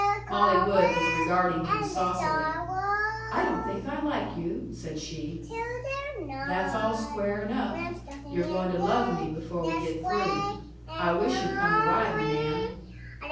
Molly Wood was regarding him saucily. "I don't think I like you," said she. "That's all square enough. You're goin' to love me before we get through. I wish yu'd come a ridin, ma'am."